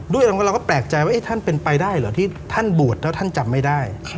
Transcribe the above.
เราก็แปลกใจว่าท่านเป็นไปได้เหรอที่ท่านบวชแล้วท่านจำไม่ได้